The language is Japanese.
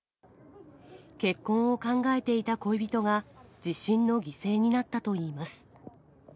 結婚を考えていた恋人が、地震の犠牲になったといいます。